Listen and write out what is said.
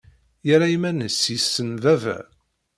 Yerra iman-nnes yessen baba.